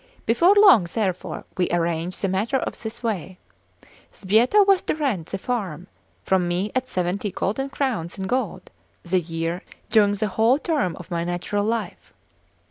Before long, therefore, we arranged the matter of this way: Sbietta was to rent the farm from me at seventy golden crowns in gold the year during the whole term of my natural life.